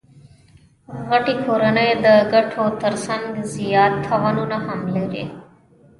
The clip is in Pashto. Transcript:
غټي کورنۍ د ګټو ترڅنګ زیات تاوانونه هم لري.